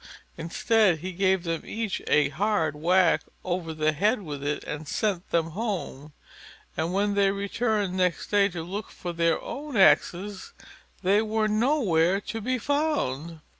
Instead he gave them each a hard whack over the head with it and sent them home. And when they returned next day to look for their own axes, they were nowhere to be found.